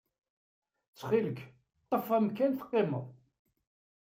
Ttxil-k, ḍḍef amkan teqqimeḍ!